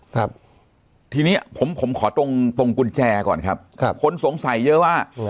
ครับทีนี้ผมผมขอตรงตรงกุญแจก่อนครับครับคนสงสัยเยอะว่า